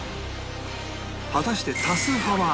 果たして多数派は牛丼か？